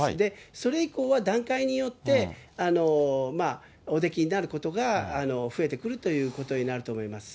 それ以降は段階によっておできになることが増えてくるということになると思います。